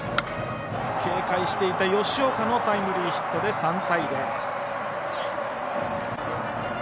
警戒していた吉岡のタイムリーヒットで３対０。